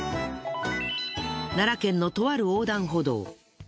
奈良県のとある横断歩道。